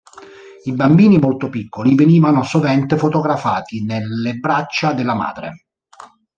I bambini molto piccoli venivano sovente fotografati nelle braccia della madre.